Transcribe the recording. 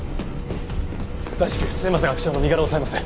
大至急末政学長の身柄を押さえます。